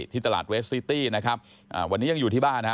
ที่ตลาดเวสซิตี้นะครับอ่าวันนี้ยังอยู่ที่บ้านนะฮะ